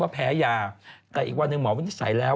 เขาแพ้ยาแต่อีกวันหนึ่งหมอไม่ได้ใส่แล้ว